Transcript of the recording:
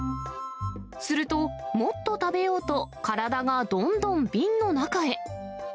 すると、もっと食べようと体がどんどん瓶の中へ。